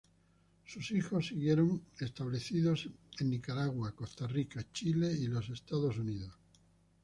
Sus hijos siguieron establecidos en Nicaragua, Costa Rica, Chile y los Estados Unidos.